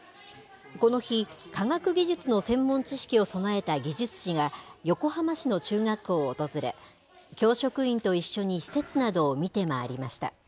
この日、科学技術の専門知識を備えた技術士が横浜市の中学校を訪れ、教職員と一緒に施設などを見て回りました。